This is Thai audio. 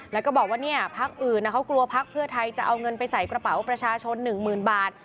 แล้วก็บอกว่าเนี่ยพักอื่นเขากลัวพักเพื่อไทยจะเอาเงินไปใส่กระเป๋าประชาชน๑๐๐๐บาท